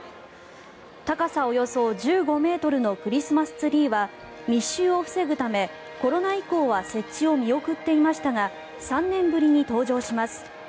高さおよそ１５ｍのクリスマスツリーは密集を防ぐためコロナ以降は設置を見送っていましたが３年ぶりに登場します。